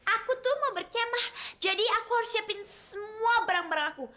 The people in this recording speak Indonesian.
aku tuh mau berkemah jadi aku harus siapin semua barang barang aku